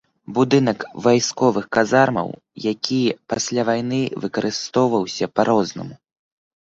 Будынак вайсковых казармаў, які пасля вайны выкарыстоўваўся па-рознаму.